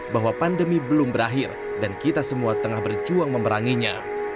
bahwa pandemi belum berakhir dan kita semua tengah berjuang memeranginya